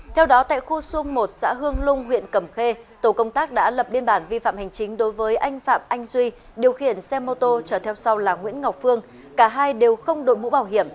theo đó tại khu xuông một xã hương lung huyện cẩm khê tổ công tác đã lập biên bản vi phạm hành chính đối với anh phạm anh duy điều khiển xe mô tô trở theo sau là nguyễn ngọc phương cả hai đều không đội mũ bảo hiểm